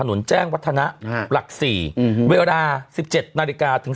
นุนแจ้งวัทณะอ่าหลักสี่อืมเวลาสิบเจ็ดนาริกาถึง